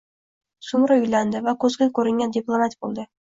So`ngra uylandi va ko`zga ko`ringan diplomat bo`ldi